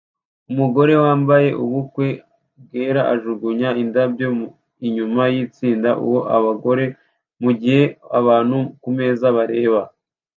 Umugore wambaye ubukwe bwera ajugunya indabyo inyuma yitsinda ow abagore mugihe abantu kumeza bareba